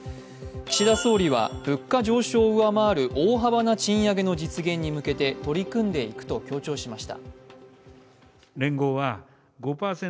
岸田総理は物価上昇を上回る大幅な賃上げの実現に向けて取り組んでいくと強調しました。